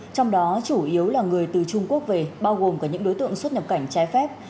trong đó chủ yếu là người từ trung quốc về bao gồm cả những đối tượng xuất nhập cảnh trái phép